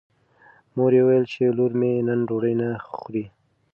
مور یې وویل چې لور مې نن ډوډۍ نه خوري.